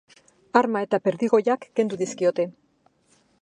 Arma eta perdigoiak kendu dizkiote.